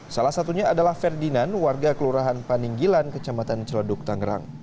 salah satunya adalah ferdinand warga kelurahan paninggilan kecamatan celeduk tangerang